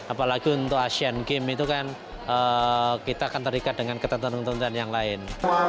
apalagi untuk asean games itu kan kita akan terikat dengan ketentuan ketentuan yang lain